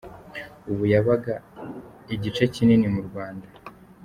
Ubu yabaga igice kinini mu Rwanda.